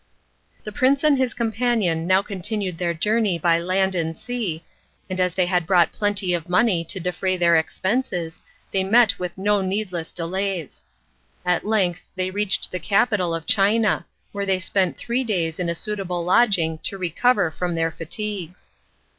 The prince and his companion now continued their journey by land and sea, and as they had brought plenty of money to defray their expenses they met with no needless delays. At length they reached the capital of China, where they spent three days in a suitable lodging to recover from their fatigues.